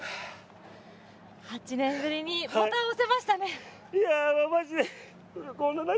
８年ぶりにボタンを押せましたね。